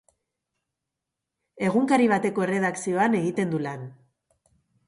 Egunkari bateko erredakzioan egiten du lan.